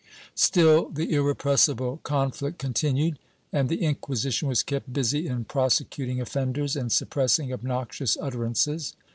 Still the irrepressible conflict continued and the Inquisition was kept busy in prosecuting offenders and suppressing obnoxious utterances.